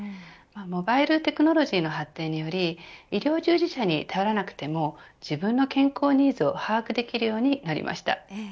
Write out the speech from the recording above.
モバイルテクノロジーの発展により医療従事者に頼らなくても自分の健康ニーズを把握できるようになりました。